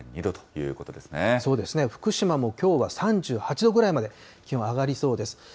そうですね、福島もきょうは３８度ぐらいまで気温は上がりそうです。